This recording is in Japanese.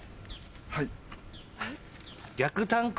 はい。